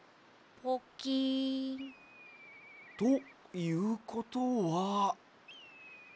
ポキン。ということは。